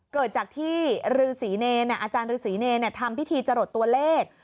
เกิดจากที่ฤษีเนรอาจารย์ฤษีเนรทำพิธีจรดตัวเลข